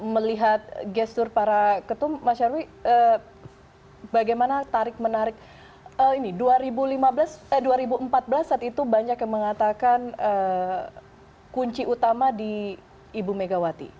melihat gestur para ketum mas nyarwi bagaimana tarik menarik ini dua ribu empat belas saat itu banyak yang mengatakan kunci utama di ibu megawati